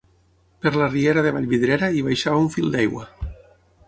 Per la riera de Vallvidrera hi baixava un fil d'aigua.